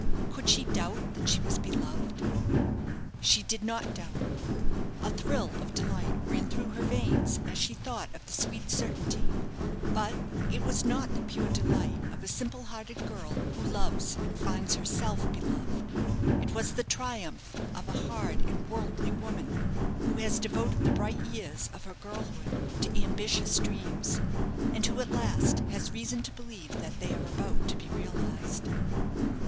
Could she doubt that she was beloved? She did not doubt. A thrill of delight ran through her veins as she thought of the sweet certainty; but it was not the pure delight of a simple hearted girl who loves and finds herself beloved. It was the triumph of a hard and worldly woman, who has devoted the bright years of her girlhood to ambitious dreams; and who, at last, has reason to believe that they are about to be realized.